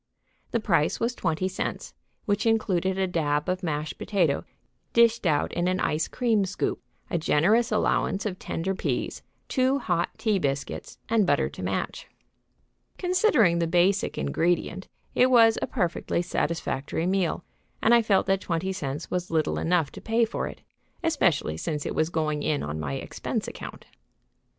The price was twenty cents, which included a dab of mashed potato dished out in an ice cream scoop, a generous allowance of tender peas, two hot tea biscuits and butter to match. [Illustration: "Considering the basic ingredient, it was a perfectly satisfactory meal."] Considering the basic ingredient, it was a perfectly satisfactory meal, and I felt that twenty cents was little enough to pay for it, especially since it was going in on my expense account.